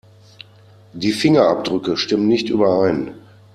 Die Fingerabdrücke stimmen nicht überein.